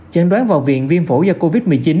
chấn đoán vào viện viêm phổ do covid một mươi chín